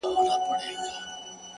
• د مسجد لوري، د مندر او کلیسا لوري،